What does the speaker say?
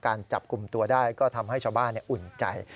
การจับกลุ่มตัวได้ก็ทำให้ชาวบ้านอุ่นใจ